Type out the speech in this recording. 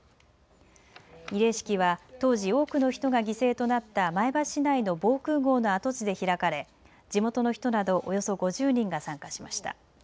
慰霊式は当時、多くの人が犠牲となった前橋市内の防空ごうの跡地で開かれ地元の人などおよそ５０人が参加しました。